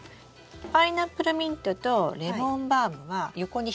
パイナップルミントとレモンバームは横に広がってく感じです。